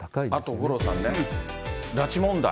あと五郎さんね、拉致問題。